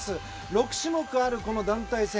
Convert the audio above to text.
６種目ある団体戦